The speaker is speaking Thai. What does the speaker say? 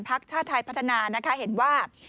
ชาติไทยพัฒนานะคะเห็นว่า